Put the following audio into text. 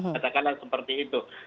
katakanlah seperti itu